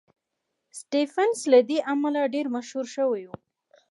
سټېفنس له دې امله ډېر مشهور شوی و